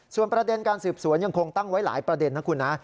ส่วนประเด็นการสืบสวนยังคงตั้งไว้หลายประเด็นนะคุณนะ